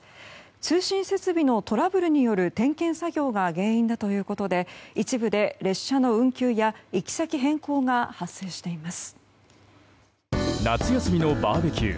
通信設備のトラブルによる点検作業が原因だということで一部で列車の運休や行き先変更が発生しています。